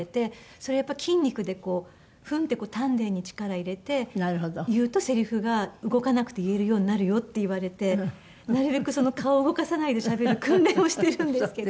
それやっぱり筋肉でフンッて丹田に力入れて言うとセリフが動かなくて言えるようになるよって言われてなるべく顔を動かさないでしゃべる訓練をしてるんですけど。